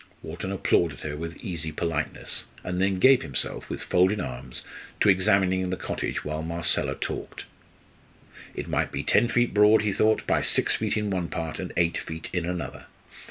Wharton applauded her with easy politeness, and then gave himself, with folded arms, to examining the cottage while Marcella talked. It might be ten feet broad, he thought, by six feet in one part and eight feet in another.